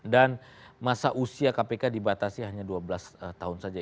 dan masa usia kpk dibatasi hanya dua belas tahun saja